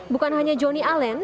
bukan hanya joni allen